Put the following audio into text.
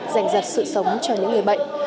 dành dật sự sống cho những người bệnh